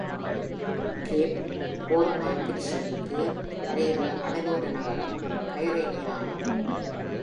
Gap கோர்மாகிடிஸுக்கு அருகிலுள்ள கடலோர நகரம் கைரேனியா ஆகும்.